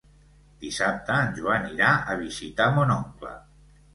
Dissabte en Joan irà a visitar mon oncle.